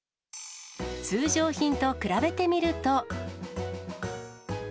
通常品と比べてみると。